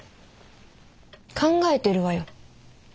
考えてるわよ。